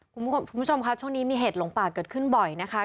คุณผู้ชมค่ะช่วงนี้มีเหตุหลงป่าเกิดขึ้นบ่อยนะคะ